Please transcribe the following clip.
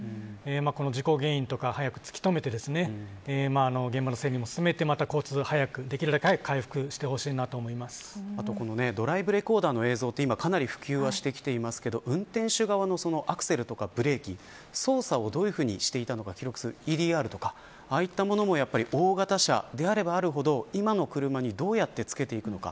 事故原因を早く突き止めて現場の整理も進めて、交通早くできるだけこのドライブレコーダーの映像はかなり普及していますが運転手側のアクセルやブレーキ操作をどういうふうにしてたのか記録するものやああいったものも大型車であればあるほど今の車にどうやってつけていくのか。